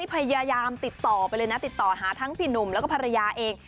พยายามติดต่อไปเลยนะติดต่อหาทั้งพี่หนุ่มแล้วก็ภรรยาเอง